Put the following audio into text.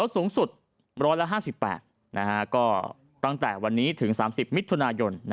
สูงสุด๑๕๘ก็ตั้งแต่วันนี้ถึง๓๐มิถุนายน